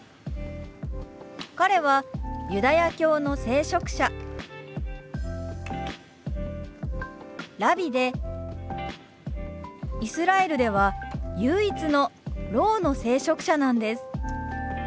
彼はユダヤ教の聖職者ラビでイスラエルでは唯一のろうの聖職者なんです。